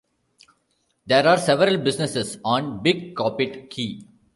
There are several businesses on Big Coppitt Key.